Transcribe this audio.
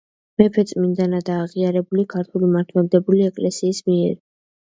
მეფე წმინდანადაა აღიარებული ქართული მართლმადიდებელი ეკლესიის მიერ.